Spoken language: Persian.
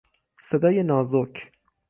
صدای نازک